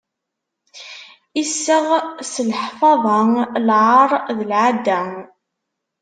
Iseɣ s leḥfaḍa, lɛaṛ d lɛadda.